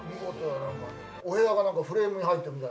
お部屋がフレームに入ってるみたい。